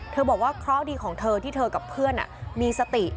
บอกว่าเคราะห์ดีของเธอที่เธอกับเพื่อนมีสติ